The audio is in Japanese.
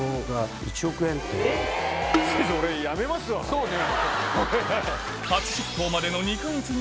そうね。